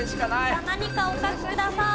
さあ何かお書きください。